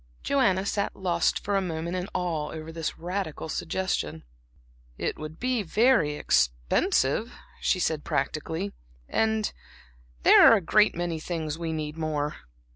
Joanna sat lost for a moment in awe over this radical suggestion. "It would be very expensive," she said, practically "and there are a great many things we need more."